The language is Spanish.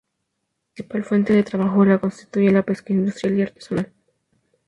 La principal fuente de trabajo la constituye la pesca industrial y artesanal.